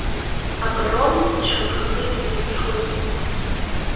Абарон дшанханы дизыԥшуеит.